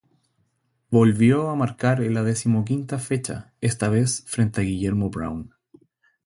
Volvió a marcar en la decimoquinta fecha esta vez frente a Guillermo Brown.